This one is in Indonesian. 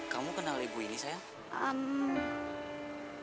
kamu kenal ibu ini saya